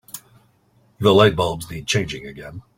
The lightbulbs need changing again.